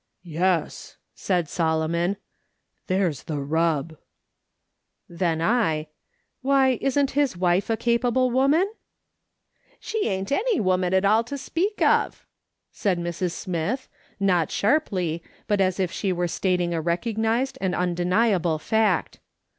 " Yes," said Solomon, " there's the rub." Then I :" "SVTiy, isn't his wife a capable woman ?"" She ain't any woman at all to speak of," said Mrs. Smith, not sharply, but as if she were stating a recognised and undeniable fact.